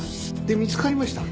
で見つかりました？